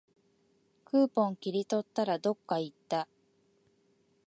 クーポン切り取ったら、どっかいった